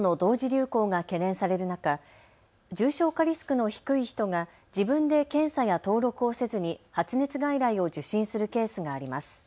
流行が懸念される中、重症化リスクの低い人が自分で検査や登録をせずに発熱外来を受診するケースがあります。